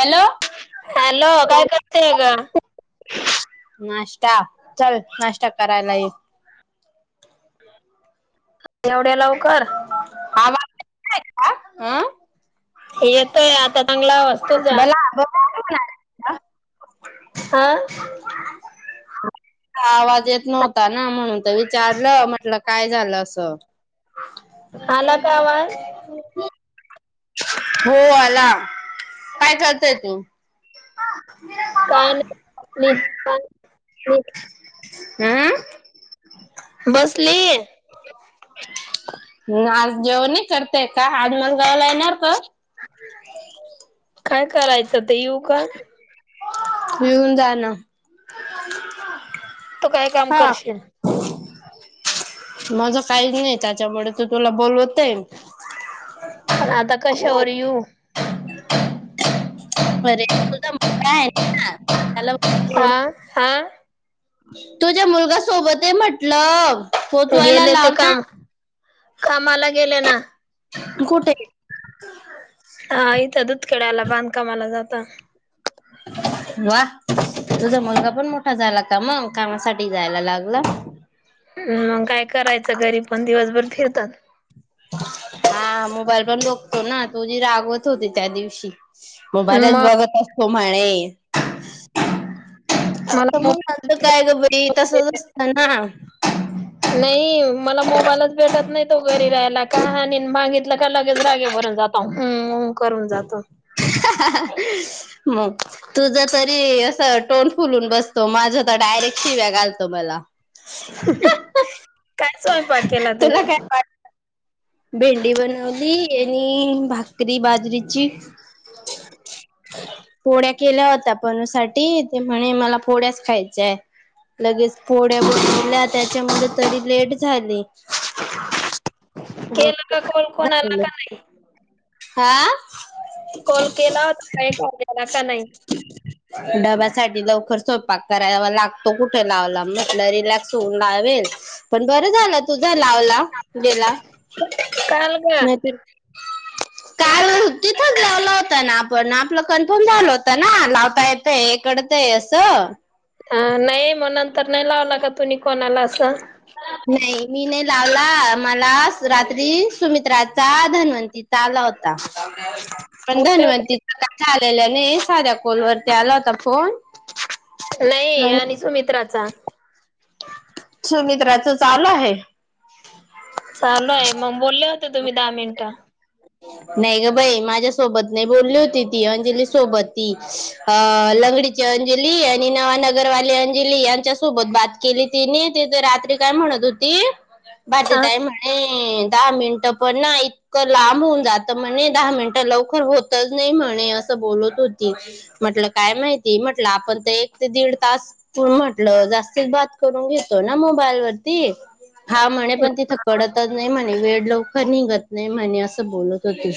Hello hello काय करते ग नाश त्या चल नाश्ता करायला येल. एवढ्या लवकर आवाज आहे का अं येतोय आता चांगला हवा मेला ब तुकार का हा आवाज येत नव्हता ना म्हणून तर विचारलं म्हटल काय झालं असं. आला का हमम आवाज हो आला. काय करतय तू हा का नाहीली हो हममम बसलीय ह आज जेवन नाही करतेय का आज मला गावाला येणार का. काय करायचं ते येऊ का येिऊन जा ना तो काय काम करशील. माझ काही नाही त्याच्यामुळे तू तुला बोलवत आहे. प आता कशावर येू धप धप धप बरे तुझ मोठा आहे. त्याला घेऊन हा हा तुझ्या मुलग सोबत आहे म्हटल. गेले ते काम कामाला गेले ना कुठे हा इथं दुधकड्याला बांधकामाला जातो. कत्ता वा तुझा मलगा पण मोठा झाला. का मग कामासाठी जायला लागला. हम मग काय करायचं? घरी पण दिवसभर फिरतात. हा मोबाईल पण बघतो ना, तुझी रागवत होती त्या दिवशी. मोबाईलच मग बघत असतो म्हणे तर मला मग आतं मोबाईल काय ग बाई, तसच असतं ना. नाही मला मोबाईलच भेटत नाही तो घरी राहायला का, आणि [unintelligible] आलाका लगेच रागे भरून जातो, उउउ करून जातो. मग तुझ तरी असं तोंड फुलून बसतो, माझ तर डायरेक्ट शिव्या घालतो मला. हहह काय स्वयंपाक केला तुला तुने? काय वाटत केली भाकरी बाजरीची हो [unintelligible] पोळ्या केल्या होत्या पणू साठी ते म्हणे मला पोळ्याच खायच्याय, लगेच पोळ्या बनवल्या त्याच्यामध्ये तरी लेट झाली. केला का बाई कॉल कोणाला रोज का नाही? हा कॉल केला होता, काही खाल्लं का नाही? डब्यासाठी लवकर स्वयंपाक कराया लागतो. तो कुठे लावला म्हटल रिलॅक्स फोन लावेल पण बरं झालं तूझा लावला गेला. काल का नाहीत [unintelligible] काल तिथंच लावला होता ना, आपण आपलं कन्फर्म झाल होत ना, लावता येतय इकडत आहे असं. हा नाहीय म्ह न तर नाही लावला का तुम्ही कोणाला? स [unintelligible] नाही मी नाही लावला, मला रात्री सुमित्राचा, धन्वंतीचा आला होता. पण बोलले धनवंती होते आलेल्या नाही, साध्या कॉलवररती आला होता फोन. नाही आणि सुमित्रा का? सुमित्राच चालू आहे. चालू आहे, मग बोलले होते तुम्ही दहा मिनिटं नाही ग बाई माझ्यासोबत नाही बोलली होती ती, अंजली सोबत ती, अ लंगडीची अंजली आणि नवा नगरवाली अंजली यांच्या सोबत बात केली तिने तिथ रात्री काय म्हणत होती? भरती हा ताई म्हणे दहा मिनटं पण ना इतकं लांब होऊन जात म्हणे दहा मिनिटं लवकर होतच नाही म्हणे असं बोलत होती म्हटलं काय माहिती म्हटलं आपण तर एक ते दीड तास प म्हटलं जास्तीच बात. करून घेतो ना मोबाईल वरती. हा म्हणे पण तीथ कडतच नाही म्हणे वेळ. लवकर निघत नाही म्हणे असं बोलत होती.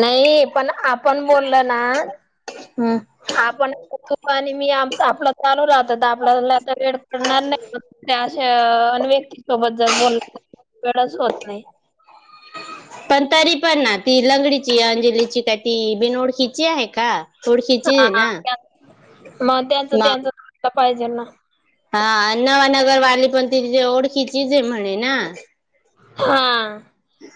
नाही. पण आपण बोलल ना हम्म आपण तु आणि मी आपलं चालू राहतो. आपल्याला आता वेळ पडणार नाही त्या अशा अ व्यक्ती सोबत जर बोल वेळच होत नाही. पण तरी पण ना ती लंगडीची अंजलीची काय ती बिनओळखीची आहे का? थोडकीच हाय ना! मं त्यांचं मग त्यांचं खटक. पायजे ना.. हा, नवानगरवाली पण तिचे ओळखीचीच आहे म्हणे. ना! हा.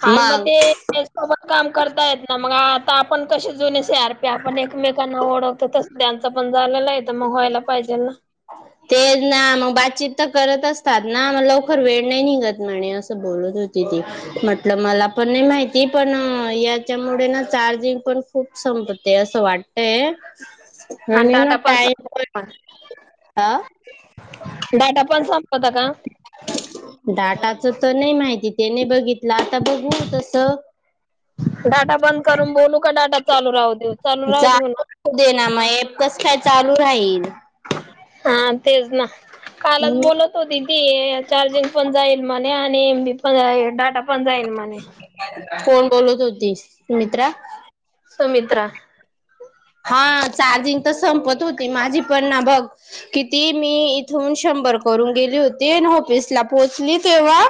हा, न मं मग ते, ते सोबत. काम करता येत नाय. मग आता आपन कसे जूने सी आर पी, आपन एकमेकांना ओळखतो. तसं त्यांचं पन झालेलं हाय तं मं व्हायला पायजे न! ते ना, मं बातचीत तर करत असतात ना! मं लवकर वेळ नाय निघत म्हणे, असं बोलत होती ती म्हटल मला पन नाय माहिती पन याच्यामुळे ना. चार्जिंग पण खूप संपत. ते असं वाटतय. हा डाटा पण [unintelligible] आं... डाटा पण संपवता का डाटाच तं नाय माहिती. त्याने बघितला आता बघू तसं. डाटा बंद करून बोलू का? डाटा. चालू राहूदे. [unintelligible] कस काय? चालू राहील. हा, तेच ना. कालच हम्म बोलत होती ती चार्जिंग पन जाईल म्हणे, आणि एम बी पन आं डाटा पन जाईल म्हणे. कोण बोलत होती? सुमित्रा? सुमित्रा. हा चार्जिंग तर संपत. तू होती माझी पण ना बघ. किती मी इथून शंभर करून गेली होती, आनी ऑफिसला पोचली तेव्हा,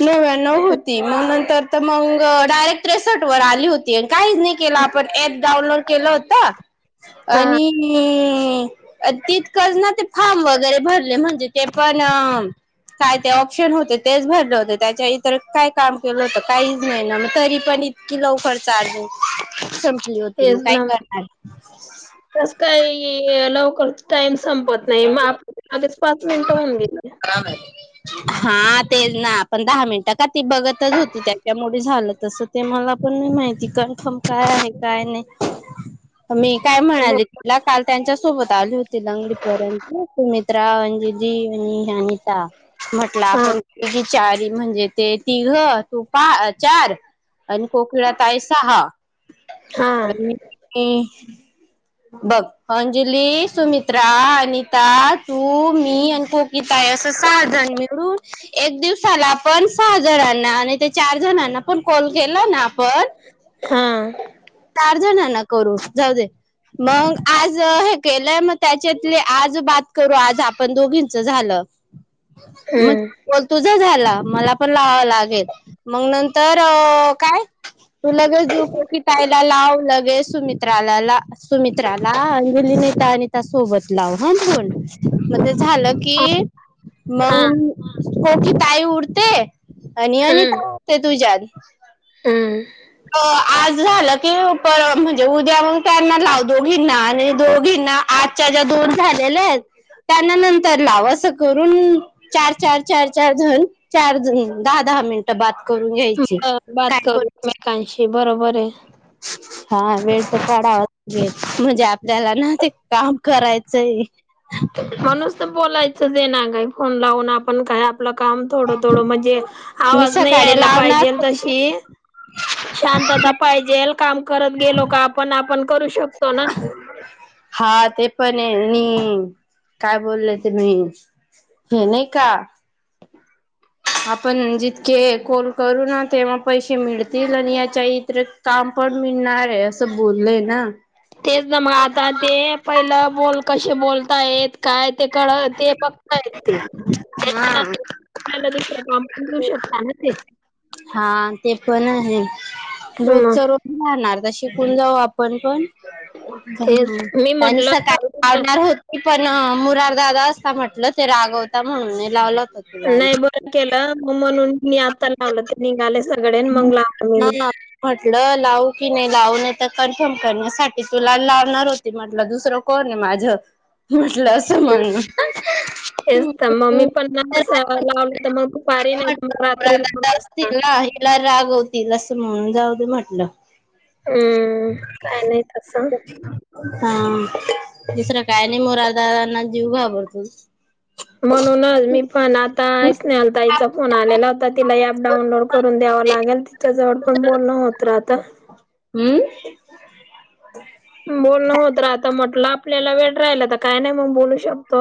नव्यानव होती, मं नंतर मंग डायरेक्ट सेट वर आली होती आनी. काहीच नाही केलं आपण ऍप डाउनलोड केल होत. हा आणि.. नी. हं.. अं तितकंच ना, ते फार्म वैगरे भरले. म्हनजे ते पन अं.. काय ते ऑपशन होते तेच भरले होते. त्याच्याईतर काय काम केल होत? काईच नाय ना. मं तरीपन इत कि लवकर चार्जिंग सपंली होती. मग तेच काय ना करनार? कस काय ये? ते लवकर टाइमस् संपत नई, मग आप लगेच पाच मिन्ट होऊन गेली की हा तेच ना, पण दहा मिन्ट का ती बघतच होती, त्याच्यामुळे झालं तसं ते मला पण नई माहिती, कन्फर्म काय आहे, काय नई मी काय म्हणाली तुला, काल त्यांच्यासोबत आली होती लंगडी [unintelligible] सुमित्रा, अंजली आणि ही अनिता म्हटलं हा आपण विचारी म्हणजे ते तिघं तू पा, अ चार आणि कोकिळा ताई सहा हा आणि ते बघ अंजली, सुमित्रा अनिता, तू, मी आणि कोकिताई अस सहा जण मिळून, एक दिवसाला आपण सहा जणांना आणि ते चार जणांना पण कॉल केला ना आपण हा. चार जणांना करू जाऊ दे, मंग आज हे केलंय मग त्याच्यातले आज बात करू, आज आपण दोघींच झालं. म हम्म [unintelligible] तुझ झाल ला मला पण लावावा लागेल, मंग नंतर काय, तू लगेच दु [unintelligible] ताईला लाव, लगेच सुमित्राला ला सुमित्राला, अंजली, निता आणि त्या सोबत लाव हा फोन, मग ते झालं की हा मंग कोकी ताई उरते. आणि हम्म अनिता उरतेत तुज्या आदी हम्म अ आज झालं की पर म्हणजे उद्या मंग त्यांना लाव, दोघिंना आणि दोघिंना आजच्या ज्या दोन झालेल्या आहेत त्यांना नंतरच्या लाव, असं करून चार चार चार चार जण चार जणी दहा दहा मिनिटं बात करून घ्यायची, काय पण कांशी बरोबरये हा वेळ त काढाव [unintelligible] म्हणजे आपल्याला ना ते काम करायचंय. म नुस्त बोलाय च देना काय, फोन लावून आपण काय आ आपलं काम थोडं थोडं म्हणजे मी आवाज नई सकाळी यायला लावणार पाहिजेल, होते तशी शांतता पाहिजेल काम करत गेलो का आपण, आपण करू शकतो ना हा ते पण आहे आणि काय बोल्ले तुम्ही? हे नाही का आपण जितके कॉल करू ना तेव्हा पैसे मिळतील आणि याच्या इतीरीक काम पण मिळणारे असं बोलले ना तेच ना मग, आता ते पयलं बोल कशे बोल तायेत काय ते कळ, ते बघता येत ते, हा. त्याच्यानंन केल्यानुसार काम पण देऊ शकता ना ते हा ते पण आहे, हम्म रोजच्या रोज राणार तशी शिकून जाऊ आपण पण तेच मी म्हटलं त्यानुसार [inaudible] होती पण ना मुरार दादा असता म्हटलं ते रागवता म्हणून लावला होता. तुला. नाही बरं केलं म म्हणून मी आता लावलं ते निघालेच ह् म्हटलं लावू की नाही लावूनत कन्फर्म करण्यासाठी तुला लावणार होती म्हटलं दुसरं कोणे माझं म्हटलं असं म्हणून. हेच तर मग मी पण ना लावलं तर मग दुपारी नाही तर मग म्हटलं रात्री राधा लावल असत. तिला हिला रागवतील असं म्हणून जाऊ दे म्हटलं. हम्म काय नाही तसं हा दुसरं काय नाही मुरार दादांना जीव घाबरतो. म्हणूनच मी पण आता स्नेहल ताईचा फोन आलेला होता, तिला ऍप डाऊनलोड कर करून द्याव लागेल तिच्या जवळ पण बोलणं होत राहत. हम्म. बोलणं होत राहतं म्हटलं आपल्याला वेळ राहिला काय नाही मग बोलू शकत.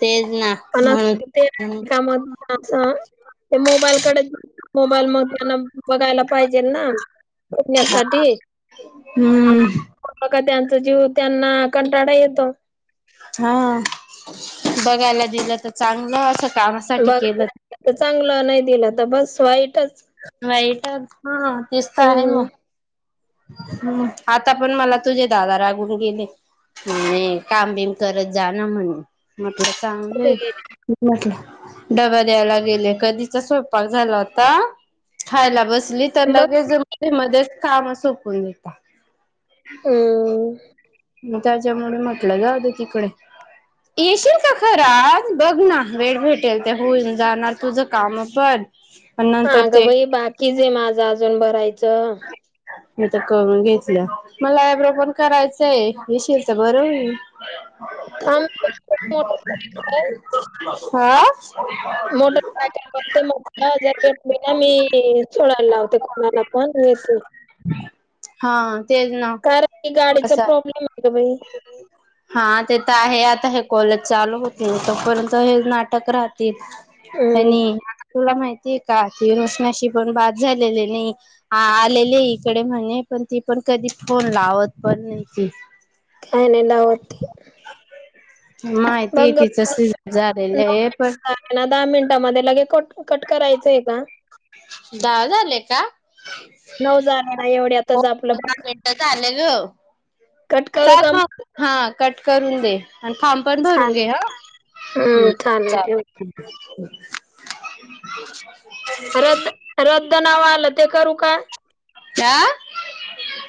तेच ना पण ते म्हणून कामात [inaudible] मोबाईलकडे मोबाईल मध्ये न बघायला पाहिजे बघण्यासाठी हम्म का त्यांचा जीव त्यांना कंटाळा येतो. हा बघायला दिलं तर चांगलं असं कामासाठी बघ केलं आता चांगलं नाही दिलं तर बस. वाईटच वाईट हा दिसत आहे हम्म मग ह् आता पण मला तुझे दादा रागून गेले, म्हणे काम बिम करत जा ना म्हणून. मला चांगले कुठे गेले [unintelligible] म्हटला. डबा द्यायला गेले कधीचा स्वयंपाक झाला होता. खायला बसली तर बघ लगेच म्हंटली मध्येच काम हाय. [unintelligible] हम. त्याच्यामुळे म्हटलं जाऊदे तिकडे येशील का खरा बघ ना वेळ भेटेल ते होईन जाणार तुझ काम पण. पण हा नंतर ग ते बाई बाकी जे मा ज अजून भरायचं. मी तर करून घेतलं. मला आएब्रो पण करायचंय येशील तर बर होईल. आम्ही [inaudible] हा. मोटर सायकल बघते मग जर भेटले ना, मी सोडायला लावते कोणाला पण मग येते. हा तेच ना कारण की गाडीचा प्रॉब्लेम आहे ग बाई हा ते तर आहे आता आता हे कॉलेज चालू होतो तोपर्यंत हे नाटक राहत हम्म [unintelligible] तुला माहिती ते का ती [unintelligible] पण बाद झालेली नाही गेली. इकडे नाहीये पण ती पण कधी फोन लावत पण नाही ती काय नाही होते माहिती बघ तिचं सिजर झालेलं आहे पण [unintelligible] ना दहा मिनिटामध्ये लगे को कट करायचंय का दहा झाले का नऊ जणात हो एवढ्यातच आपलं बघ दहा मिनटं झाले ग कट करू चाल का मग ग हा कट करून दें आणि फार्म पण भरून चाल घे हम्म चालेल ठेव चालल ह [inaudible] रद्द रद्द नावा आलं ते करू काय? आ